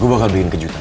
gue bakal bikin kejutan